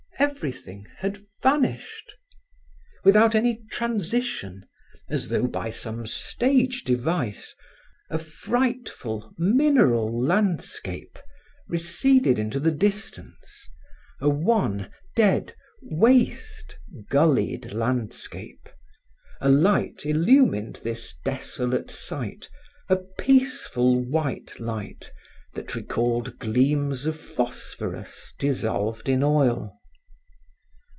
Everything had vanished. Without any transition, as though by some stage device, a frightful mineral landscape receded into the distance, a wan, dead, waste, gullied landscape. A light illumined this desolate site, a peaceful white light that recalled gleams of phosphorus dissolved in oil.